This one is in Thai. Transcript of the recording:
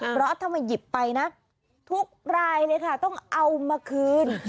เพราะถ้ามาหยิบไปนะทุกรายเลยค่ะต้องเอามาคืน